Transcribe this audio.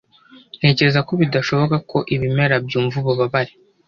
Ntekereza ko bidashoboka ko ibimera byumva ububabare.